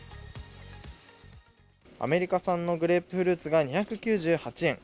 アメリカ産のグレープフルーツが２９８円。